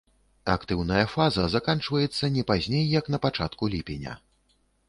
Актыўная фаза заканчваецца не пазней як на пачатку ліпеня.